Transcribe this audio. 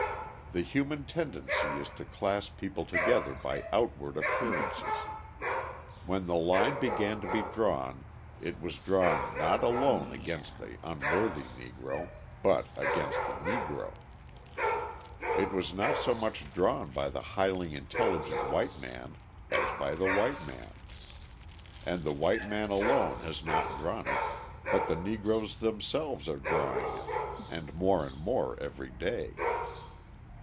The human tendency is to class people together by outward appearances. When the line began to be drawn it was drawn not alone against the unworthy Negro, but against the Negro. It was not so much drawn by the highly intelligent white man as by the white man. And the white man alone has not drawn it, but the Negroes themselves are drawing it and more and more every day.